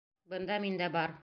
Бында мин дә бар!